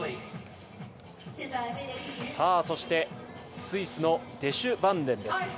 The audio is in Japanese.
そして、スイスのデシュバンデン。